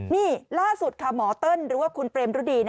นี่ล่าสุดค่ะหมอเติ้ลหรือว่าคุณเปรมฤดี